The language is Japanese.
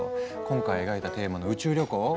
今回描いたテーマの「宇宙旅行」